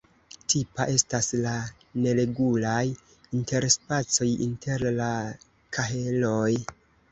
Tipa estas la neregulaj interspacoj inter la kaheloj.